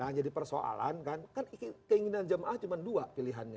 nah jadi persoalan kan keinginan jemaah cuma dua pilihannya